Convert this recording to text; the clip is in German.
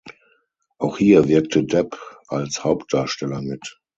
Auch hier wirkte Depp als Hauptdarsteller mit.